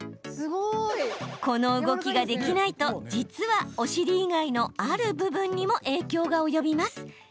この動きができないと実は、お尻以外のある場所にも影響が及びます。